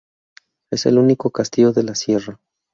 Es el único castillo de la Sierra.